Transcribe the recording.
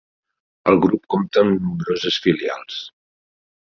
El grup compta amb nombroses filials.